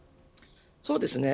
そうですね。